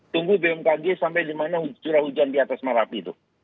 tunggu bmkg sampai dimana curah hujan di atas marapi itu